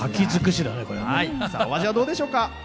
お味はどうでしょうか？